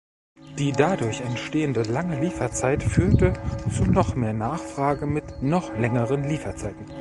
Die dadurch entstehende lange Lieferzeit führte zu noch mehr Nachfrage mit noch längeren Lieferzeiten.